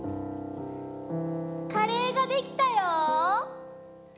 ・カレーができたよ！